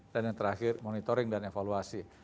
yang terakhir monitoring dan evaluasi